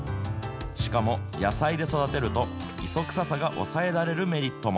しかも、野菜で育てると、磯臭さが抑えられるメリットも。